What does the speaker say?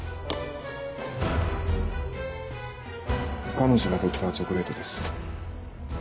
彼女がＤｒ．チョコレートです。